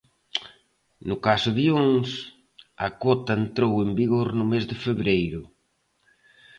No caso de Ons, a cota entrou en vigor no mes de febreiro.